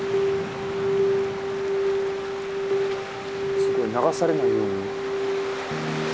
すごい流されないように。